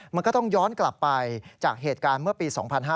มันก็ต้องย้อนกลับไปจากเหตุการณ์เมื่อปี๒๕๕๙